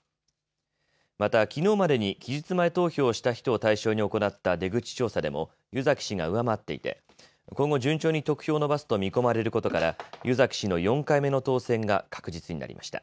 またきのうまでに期日前投票をした人を対象に行った出口調査でも湯崎氏が上回っていて今後、順調に得票を伸ばすと見込まれることから湯崎氏の４回目の当選が確実になりました。